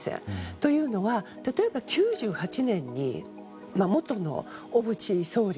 というのは例えば９８年に元小渕総理